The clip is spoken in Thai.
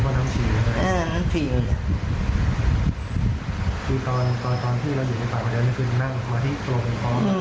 คือตอนที่เราอยู่ในปากเมื่อเดียวนึกคืนนั่งมาที่ตัวมันพร้อม